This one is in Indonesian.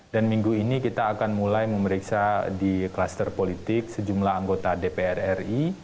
dan minggu ini kita akan mulai memeriksa di kluster politik sejumlah anggota dpr ri